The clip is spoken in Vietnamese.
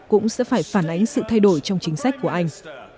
cũng sẽ phải phản ánh sự thay đổi trong chính sách của anh